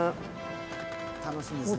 楽しみですね